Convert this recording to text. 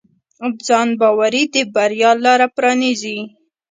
ځانباوري د بریا لاره پرانیزي.